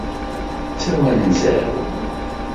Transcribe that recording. D tawenza-w.